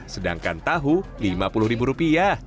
sedangkan tahu lima puluh ribu rupiah